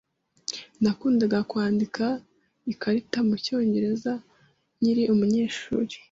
Nakundaga kwandika ikarita mucyongereza nkiri umunyeshuri.